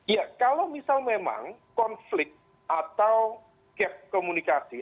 ya kalau misal memang konflik atau gap komunikasi